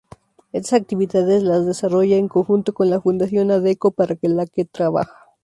Estas actividades las desarrolla en conjunto con la Fundación Adecco para la que trabaja.